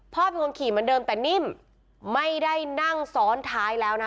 พ่อเป็นคนขี่เหมือนเดิมแต่นิ่มไม่ได้นั่งซ้อนท้ายแล้วนะ